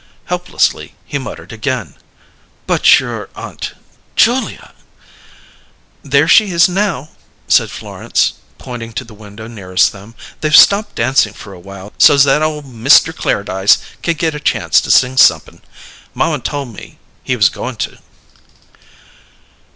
Helplessly, he muttered again: "But your Aunt Julia " "There she is now," said Florence, pointing to the window nearest them. "They've stopped dancing for a while so's that ole Mister Clairdyce can get a chance to sing somep'n. Mamma told me he was goin' to."